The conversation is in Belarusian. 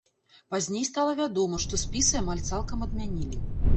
Пазней стала вядома, што спісы амаль цалкам адмянілі.